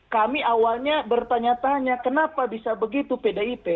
kami awalnya bertanya tanya kenapa bisa begitu pdip